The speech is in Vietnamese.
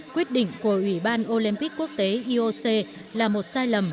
quyết định của ủy ban olympic quốc tế ioc là một sai lầm